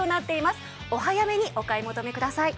お早めにお買い求めください。